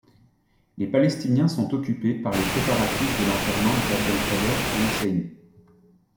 Les Palestiniens sont occupés par les préparatifs de l'enterrement d'Abd al-Kader al-Husseini.